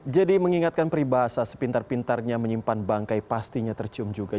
jadi mengingatkan peribahasa sepintar pintarnya menyimpan bangkai pastinya tercium juga